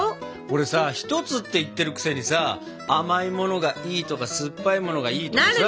これさ「ひとつ」って言ってるくせにさ甘いのものがいいとか酸っぱいものがいいとかさ。